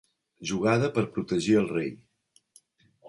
Jugada per protegir el rei.